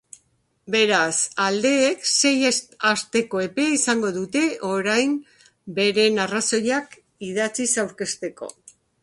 Beraz, aldeek sei asteko epea izango dute orain beren arrazoiak idatziz aurkezteko.